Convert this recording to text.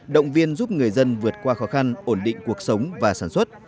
động viên giúp người dân vượt qua khó khăn ổn định cuộc sống và sản xuất